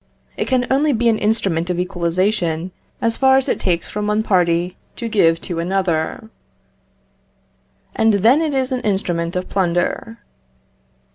It can only be an instrument of equalisation as far as it takes from one party to give to another, and then it is an instrument of plunder.